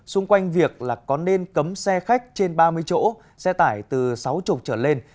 xung quanh việc là có nên cấm xe khách trên ba mươi chỗ xe tải từ sáu mươi trở lên